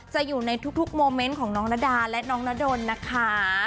จะอยู่ในทุกโมเมนต์ของน้องนาดาและน้องนาดนนะคะ